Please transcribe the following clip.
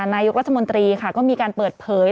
นายกรัฐมนตรีค่ะก็มีการเปิดเผย